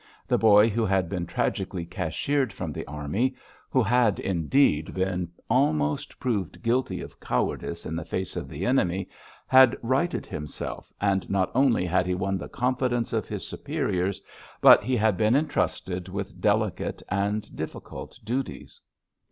The boy who had been tragically cashiered from the army, who had, indeed, been almost proved guilty of cowardice in the face of the enemy, had righted himself; and not only had he won the confidence of his superiors, but he had been entrusted with delicate and difficult duties.